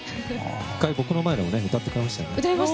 僕の前でも歌ってくれましたよね。